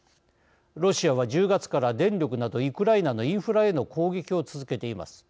ロシアは１０月から電力などウクライナのインフラへの攻撃を続けています。